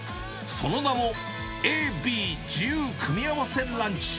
その名も、ＡＢ自由組み合わせランチ。